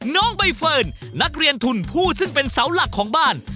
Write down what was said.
น้องใบเฟิร์นนักเรียนทุนผู้ซึ่งเป็นเสาหลักของบ้าน